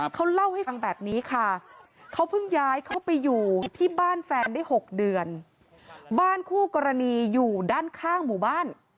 เขาเล่าให้ฟังแบบนี้ค่ะ